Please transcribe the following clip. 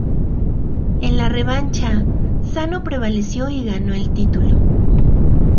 En la revancha, Sano prevaleció y ganó el título.